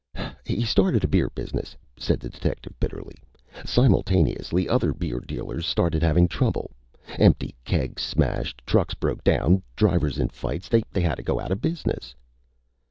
"He started a beer business," said the detective bitterly. "Simultaneous other beer dealers started havin' trouble. Empty kegs smashed. Trucks broke down. Drivers in fights. They hadda go outta business!"